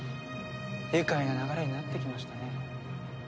愉快な流れになってきましたね。